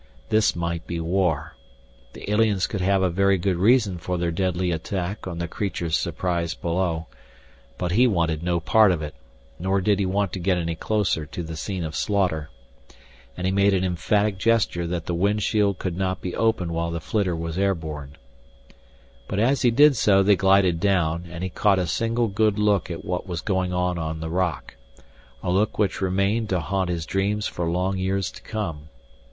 This might be war. The aliens could have a very good reason for their deadly attack on the creatures surprised below. But he wanted no part of it, nor did he want to get any closer to the scene of slaughter. And he made an emphatic gesture that the windshield could not be opened while the flitter was air borne. But as he did so they glided down, and he caught a single good look at what was going on on the rock a look which remained to haunt his dreams for long years to come.